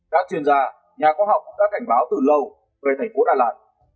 các chuyên gia nhà khoa học cũng đã cảnh báo từ lâu về thành phố đà lạt